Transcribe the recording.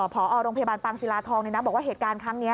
พอโรงพยาบาลปางศิลาทองบอกว่าเหตุการณ์ครั้งนี้